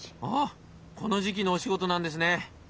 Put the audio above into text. ああこの時期のお仕事なんですね。